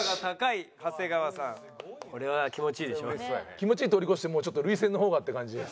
気持ちいい通り越してもうちょっと涙腺の方がって感じ。